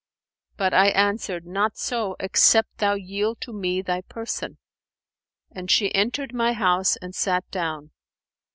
But I answered, 'Not so, except thou yield to me thy person.' And she entered my house and sat down.